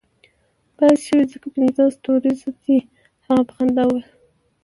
باید ښه وي ځکه پنځه ستوریزه دی، هغه په خندا وویل.